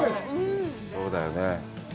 そうだよね。